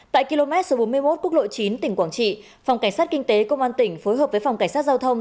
tại km số bốn mươi một quốc lộ chín tỉnh quảng trị phòng cảnh sát kinh tế công an tỉnh phối hợp với phòng cảnh sát giao thông